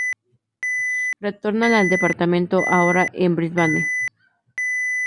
Retorna al Departamento; ahora en Brisbane.